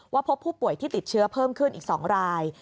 พบผู้ป่วยที่ติดเชื้อเพิ่มขึ้นอีก๒ราย